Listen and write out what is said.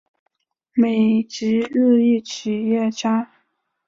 美籍日裔企业家。